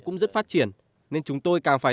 cũng rất phát triển nên chúng tôi càng phải